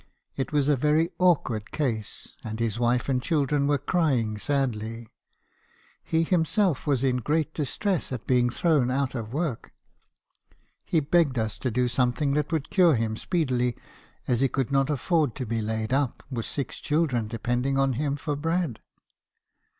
It was a very awkward case, and his wife and children were crying sadly. He himself was in great distress at being thrown out of work. He begged us to do something that would cure him speedily, as he could not afford to be laid up, with six children 282 mb. hakbison's CONFESSIONS. depending on him for bread.